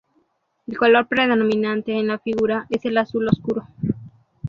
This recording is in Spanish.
El color predominante en la figura es el azul obscuro.